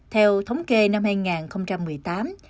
theo thống kê năm hai nghìn một mươi tám